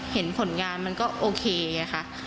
เห็นผลงานมันก็โอเคไงค่ะ